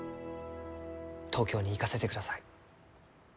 東京に行かせてください。